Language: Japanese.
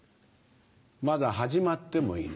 まだ始まってもいない。